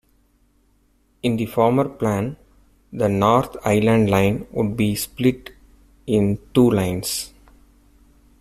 In the former plan, the North Island Line would be split in two lines.